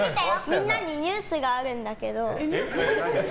みんなにニュースがあるんだけど。